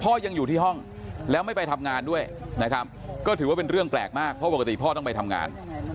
ยังอยู่ที่ห้องแล้วไม่ไปทำงานด้วยนะครับก็ถือว่าเป็นเรื่องแปลกมากเพราะปกติพ่อต้องไปทำงาน